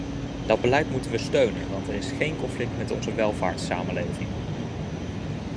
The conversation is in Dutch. Dat beleid moeten we steunen, want er is geen conflict met onze welvaartssamenleving.